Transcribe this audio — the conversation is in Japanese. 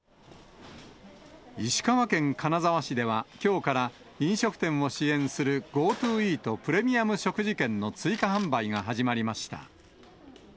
石川県金沢市では、きょうから飲食店を支援するＧｏＴｏイートプレミアム食事券の追加販売が始まりました。